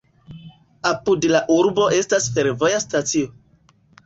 Apud la urbo estas fervoja stacio.